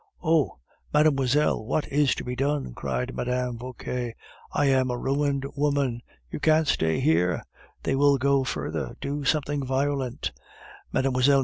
"Oh! mademoiselle, what is to be done?" cried Mme. Vauquer. "I am a ruined woman. You can't stay here; they will go further, do something violent." Mlle.